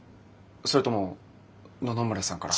それとも野々村さんから。